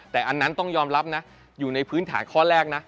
แต่อันนั้นต้องยอมรับนะอยู่ในพื้นฐานข้อแรกนะ